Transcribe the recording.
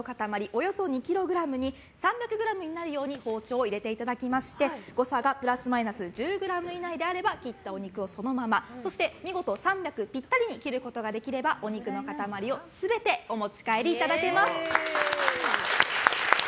およそ２ｋｇに３００ｇになるように包丁を入れていただきまして誤差がプラスマイナス１０ｇ以内であれば切ったお肉をそのままそして見事３００ｇぴったりに切ることができればお肉の塊を全てお持ち帰りいただけます。